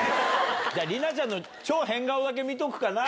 じゃあ、莉菜ちゃんの超変顔だけ見とくかな。